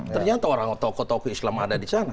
ternyata orang tokoh tokoh islam ada di sana